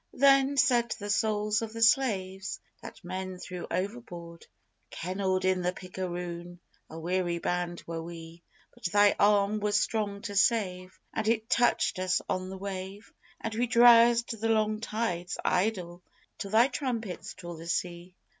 Then said the souls of the slaves that men threw overboard: "Kennelled in the picaroon a weary band were we; But Thy arm was strong to save, And it touched us on the wave, And we drowsed the long tides idle till Thy Trumpets tore the sea."